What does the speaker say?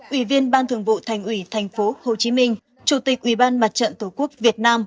ủy viên ban thường vụ thành ủy thành phố hồ chí minh chủ tịch ủy ban mặt trận tổ quốc việt nam